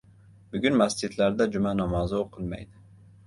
Bugun masjidlarda juma namozi o‘qilmaydi